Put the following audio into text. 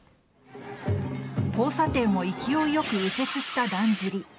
交差点を勢いよく右折しただんじり。